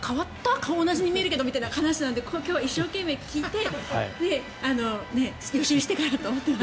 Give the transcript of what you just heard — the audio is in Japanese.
顔同じに見えるけどみたいな感じなので一生懸命聞いて予習しようと思ってます。